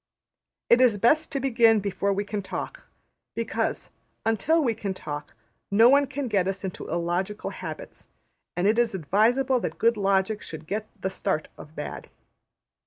It is best to begin before we can talk; because, until we can talk, no one can get us into illogical habits; and it is advisable that good logic should get the start of bad.